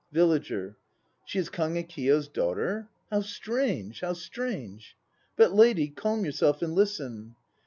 VILLAGER. She is Kagekiyo's daughter? How strange, how strange! But, lady, calm yourself and listen.